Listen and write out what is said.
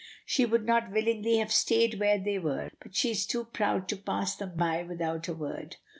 She would not willingly have stayed where they were, but she is too proud to pass them by without a word.